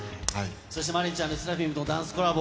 そして真凜ちゃん、ＬＥＳＳＥＲＡＦＩＭとのダンスコラボ。